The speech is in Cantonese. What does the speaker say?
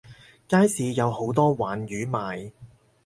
街市有好多鯇魚賣